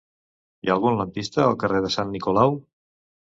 Hi ha algun lampista al carrer de Sant Nicolau?